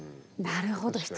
なるほど。